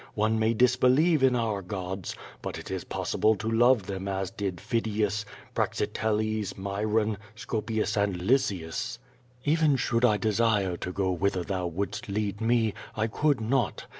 One may disbelieve in our gods, but it is poWble to love them as did Phidias, Praxiteles, Myron, Scopias, ahd Lysias. Even should I desire to go whither jhou wouldst lead mc, I could not.